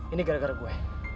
ini gara gara gue